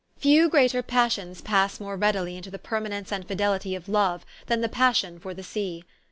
Few greater passions pass more readily into the permanence and fidelity of love than the passion for the sea.